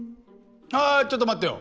あちょっと待ってよ。